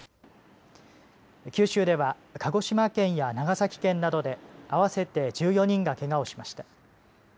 九州では鹿児島県や長崎県などで合わせて１４人がけがをしました。